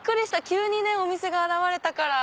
急にお店が現れたから。